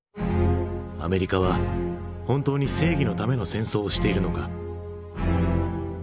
アメリカは本当に正義のための戦争をしているのか。